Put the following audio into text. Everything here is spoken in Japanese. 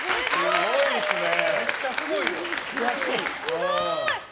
すごい！